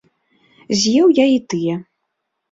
З'еў я і тыя.